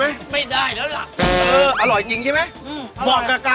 มันมีที่ไหนล่ะ